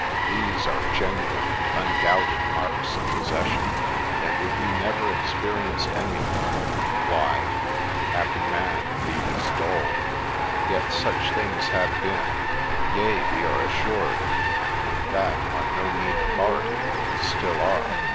These are genuine and undoubted marks of possession ; and if you never experienced any of them, —' why, ' happy man be his dole !' Yet such things have been : yea, we are assured, and that on no mean authority, still are.